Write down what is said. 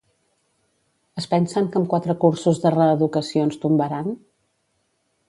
Es pensen que amb quatre cursos de reeducació ens tombaran?